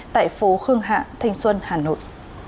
tại phố khương hạ thanh xuân hà nội